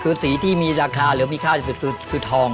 คือสีที่มีราคาหรือมีค่าที่สุดคือทอง